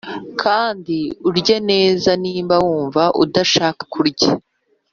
kandi urye neza niba wumva udashaka kurya